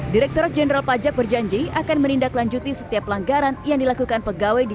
direkturat jenderal pajak berjanji akan menindaklanjuti setiap pelanggaran yang dilakukan pegawai di